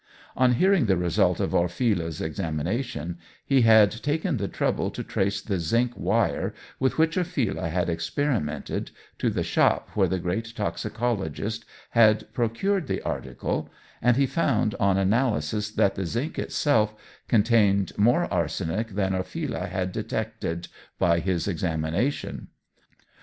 On hearing the result of Orfila's examination, he had taken the trouble to trace the zinc wire with which Orfila had experimented, to the shop where the great toxicologist had procured the article, and he found on analysis that the zinc itself contained more arsenic than Orfila had detected by his examination.